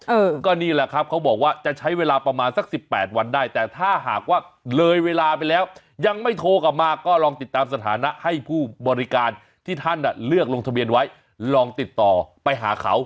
เออก็นี่แหละครับเขาบอกว่าจะใช้เวลาประมาณสักสิบแปดวันได้แต่ถ้าหากว่าเลยเวลาไปแล้วยังไม่โทรกลับมาก็ลองติดตามสถานะให้ผู้บริการที่ท่านเลือกลงทะเบียนไว้ลองติดต่อไปหาเขา